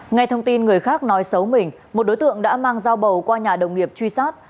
ngay thông tin người khác nói xấu mình một đối tượng đã mang dao bầu qua nhà đồng nghiệp truy sát